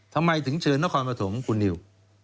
ทำไมถึงเชิญต้องคอยมาถึงคุณนิว